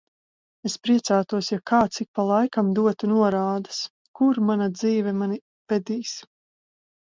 Es priecātos, ja kāds ik pa laikam dotu norādes, kur mana dzīve mani vedīs.